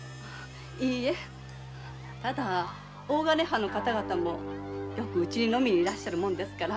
いいえ大金藩の方もよくうちに飲みに来られるものですから。